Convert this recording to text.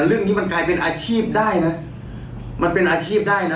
เรื่องที่มันกลายเป็นอาชีพได้นะ